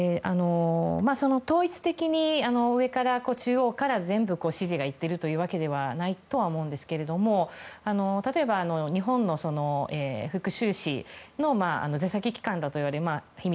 統一的に上から、中央から全部指示がいってるというわけではないと思うんですが例えば日本の福州市の出先機関だといわれる秋葉原の秘密